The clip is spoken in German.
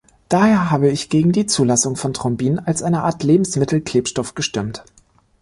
Daher habe ich gegen die Zulassung von Thrombin als eine Art Lebensmittelklebstoff gestimmt.